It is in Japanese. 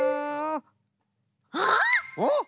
あっ！